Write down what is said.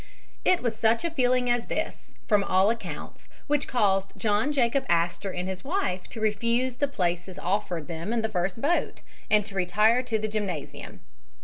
It was such a feeling as this, from all accounts, which caused John Jacob Astor and his wife to refuse the places offered them in the first boat, and to retire to the gymnasium.